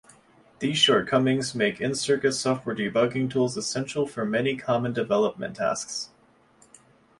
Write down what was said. These shortcomings make in-circuit software debugging tools essential for many common development tasks.